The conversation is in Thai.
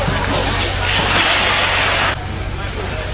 กินกว่าอีกแล้วนะครับ